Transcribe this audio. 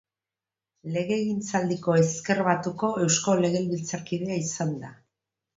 Legegintzaldiko Ezker Batuko eusko legebiltzarkidea izan da.